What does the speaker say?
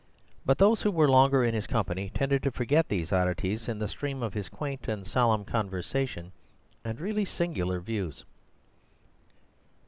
But those who were longer in his company tended to forget these oddities in the stream of his quaint and solemn conversation and really singular views.